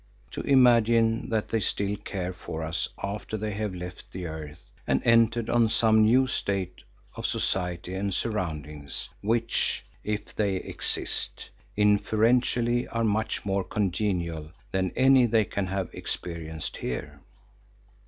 —to imagine that they still care for us after they have left the earth and entered on some new state of society and surroundings which, if they exist, inferentially are much more congenial than any they can have experienced here.